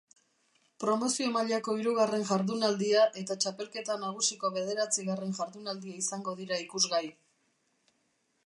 Promozio mailako hirugarren jardunaldia eta txapelketa nagusiko bederatzigarren jardunaldia izango dira ikusgai.